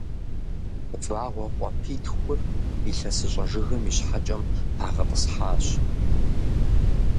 Вагъуэ къуапитхур илъэсыщӏэ жыгым и щхьэкӏэм пагъэтӏысхьащ.